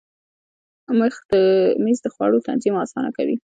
مېز د خوړو تنظیم اسانه کوي.